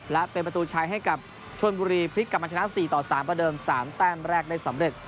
และเป็นประตูชัยให้กับชนบุรีพลิกกลับมาชนะ๔ต่อ๓ประเดิม๓แต้มแรกได้สำเร็จ